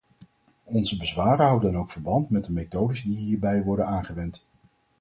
Onze bezwaren houden dan ook verband met de methodes die hierbij worden aangewend.